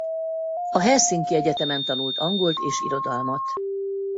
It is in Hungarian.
A Helsinki Egyetemen tanult angolt és irodalmat.